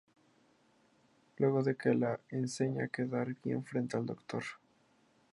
Luego de que le enseñen a quedar bien frente al Dr.